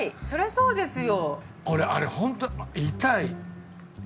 そうですよ。